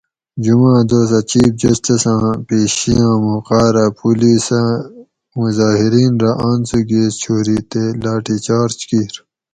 جمعاں دوسہۤ چیف جسٹس آۤں پیشیاۤں موقاۤ رہ پولیسۂ مظاھرین رہ آنسو گیس چھوری تے لاٹھی چارج کِیر